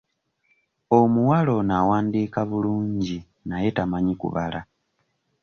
Omuwala ono awandiika bulungi naye tamanyi kubala.